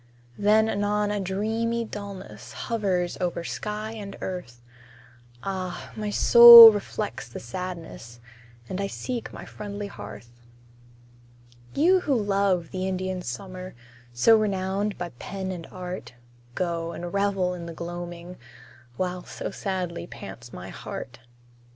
Then anon a dreamy dullness Hovers over sky and earth; Ah! my soul reflects the sadness, And I seek my friendly hearth. You who love the Indian summer, So renowned by pen and art, Go, and revel in the gloaming, While so sadly pants my heart.